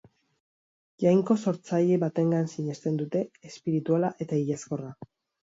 Jainko sortzaile batengan sinesten dute, espirituala eta hilezkorra.